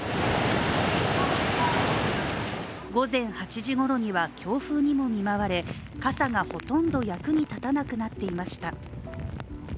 午前８時ごろには強風にも見舞われ傘がほとんど役に立たなくなっていました。